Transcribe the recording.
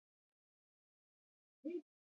کویلیو د کورنۍ له فشارونو سره مخ شو.